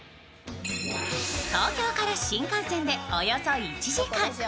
東京から新幹線でおよそ１時間。